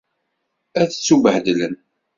Ad ttubhedlen.